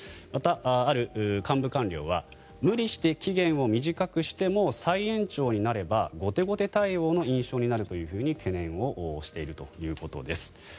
また、ある幹部官僚は無理して期限を短くしても再延長になれば後手後手対応の印象になるという懸念をしているということです。